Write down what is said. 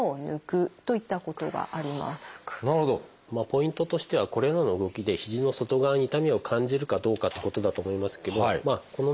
ポイントとしてはこれらの動きで肘の外側に痛みを感じるかどうかってことだと思いますけどま